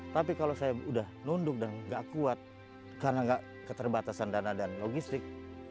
tapi kalau saya udah nunduk dan gak kuat karena gak keterbatasan dana dan logistik